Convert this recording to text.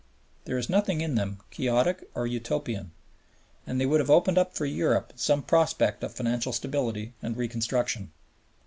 There is nothing in them quixotic or Utopian. And they would have opened up for Europe some prospect of financial stability and reconstruction.